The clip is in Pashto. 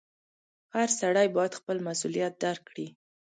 • هر سړی باید خپل مسؤلیت درک کړي.